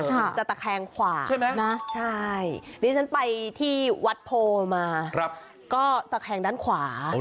ถึงจะตะแคงขวานะผมไปที่วัดโพลมาก็ตะแคงด้านขวา